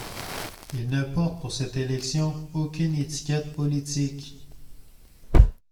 Il ne porte pour cette élection aucune étiquette politique.